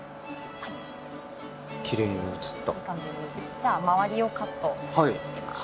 じゃあ周りをカットしていきます。